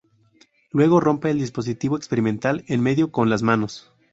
Luego rompe el dispositivo experimental en medio con las manos.